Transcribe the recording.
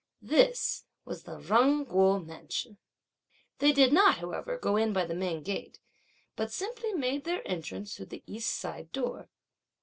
This was the Jung Kuo mansion. They did not however go in by the main gate; but simply made their entrance through the east side door.